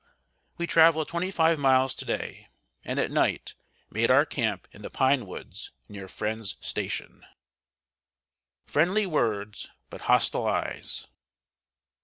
We traveled twenty five miles to day, and at night made our camp in the pine woods near Friend's Station. [Sidenote: FRIENDLY WORDS BUT HOSTILE EYES.